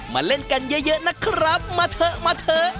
มาเล่นกันเยอะนะครับมาเถอะ